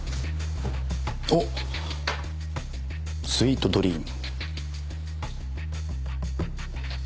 スイートドリーム。